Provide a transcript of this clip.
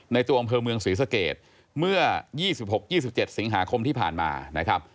ตัวอำเภอเมืองศรีสเกตเมื่อ๒๖๒๗สิงหาคมที่ผ่านมานะครับ